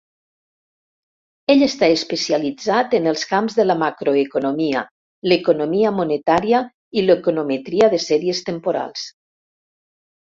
Ell està especialitzat en els camps de la macroeconomia, l'economia monetària i l'econometria de sèries temporals.